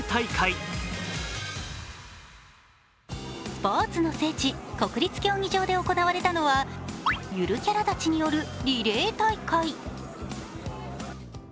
スポーツの聖地、国立競技場で行われたのはゆるキャラたちによるリレー大会。